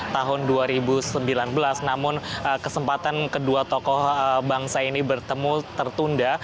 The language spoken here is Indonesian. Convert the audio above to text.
tahun dua ribu sembilan belas namun kesempatan kedua tokoh bangsa ini bertemu tertunda